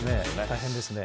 大変ですね。